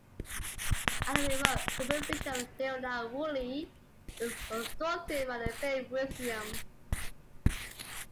Under the remote supervision of Leonard Woolley, it was reconstructed by the Penn Museum.